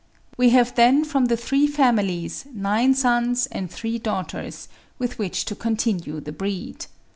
We have then from the three families, nine sons and three daughters, with which to continue the breed.